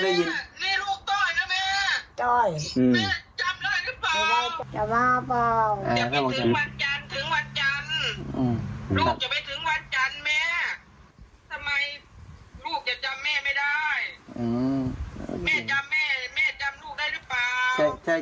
แม่จำลูกด้วยด้วยหรือเปล่า